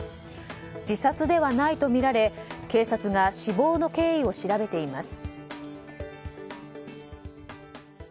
自殺ではないとみられ警察が死亡の経緯を調べています。